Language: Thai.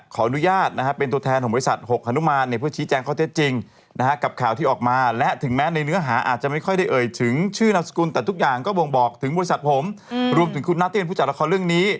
ขออนุญาตเป็นตัวแทนห้องบริษัทหกหนุมาน